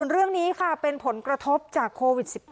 เรื่องนี้ค่ะเป็นผลกระทบจากโควิด๑๙